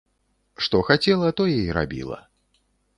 Што хацела, тое і рабіла.